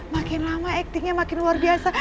makin lama actingnya makin luar biasa